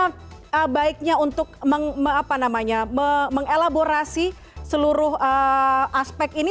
bagaimana baiknya untuk mengelaborasi seluruh aspek ini